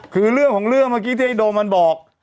คือเรื่องของเรื่องเมื่อกี้ที่ไอโดมมันบอก